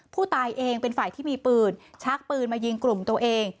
ผู้ตายเองเป็นฝ่ายที่มีปืนชักปืนมายิงกลุ่มตัวเอง